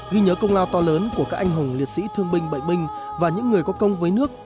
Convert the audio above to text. ghi nhớ công lao to lớn của các anh hùng liệt sĩ thương binh bệnh binh và những người có công với nước